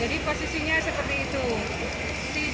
jadi posisinya seperti itu